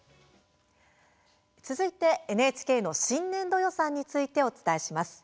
続いて、ＮＨＫの新年度予算についてお伝えします。